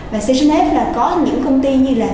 và station f là có những công ty như là